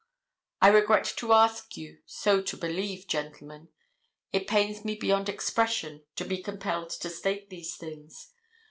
I regret to ask you so to believe, gentlemen. It pains me beyond expression to be compelled to state these things.